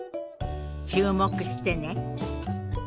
注目してね。